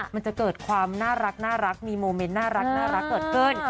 มันจะเกิดความน่ารักมีโมเมนต์น่ารักเกิดขึ้น